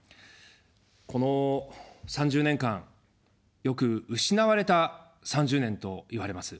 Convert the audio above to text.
この３０年間、よく失われた３０年といわれます。